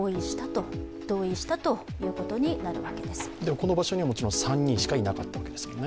この場所にはもちろん３人しかいなかったということですね？